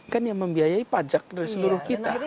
kan yang membiayai pajak dari seluruh kita